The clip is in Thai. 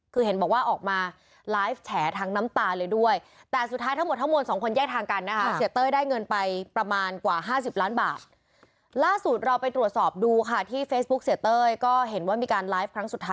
คือเห็นบอกว่าออกมาไลฟ์แช่ทั้งน้ำตาเลยด้วย